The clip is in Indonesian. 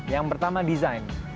yang pertama desain